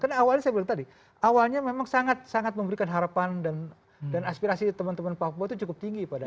karena awalnya saya bilang tadi awalnya memang sangat sangat memberikan harapan dan aspirasi teman teman pak pobo itu cukup tinggi pada